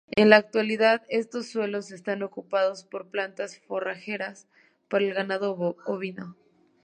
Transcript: En la actualidad, estos suelos están ocupados por plantas forrajeras para el ganado ovino.